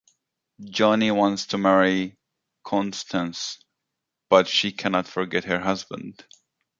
Johnny wants to marry Constance, but she cannot forget her husband.